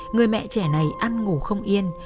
người mẹ trẻ này ăn ngủ không yên